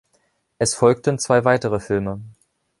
Es folgten zwei weitere Filme.